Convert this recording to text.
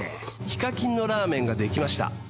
「ＨＩＫＡＫＩＮのラーメンができました」